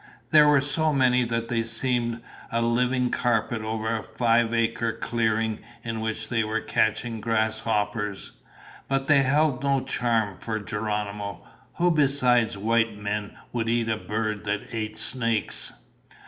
They were so many that they seemed a living carpet over the five acre clearing in which they were catching grasshoppers. But they held no charm for Geronimo. Who besides white men would eat a bird that ate snakes?